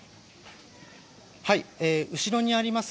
後ろにあります